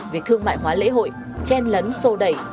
việc thương mại hóa lễ hội chen lấn sô đẩy